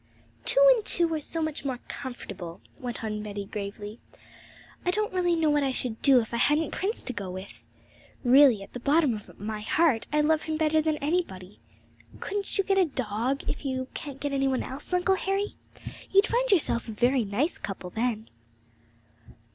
'Two and two are so much more comfortable,' went on Betty gravely; 'I don't really know what I should do if I hadn't Prince to go with! Really at the bottom of my heart I love him better than anybody! Couldn't you get a dog, if you can't get any one else, Uncle Harry? You'd find yourself in a very nice couple then.'